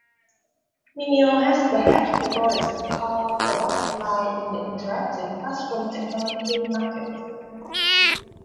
Mimio has perhaps the broadest core product line in the Interactive Classroom Technology market.